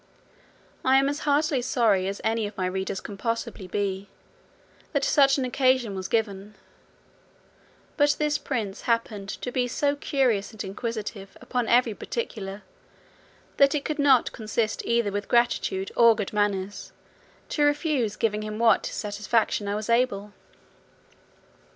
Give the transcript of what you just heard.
I am as heartily sorry as any of my readers can possibly be, that such an occasion was given: but this prince happened to be so curious and inquisitive upon every particular, that it could not consist either with gratitude or good manners, to refuse giving him what satisfaction I was able.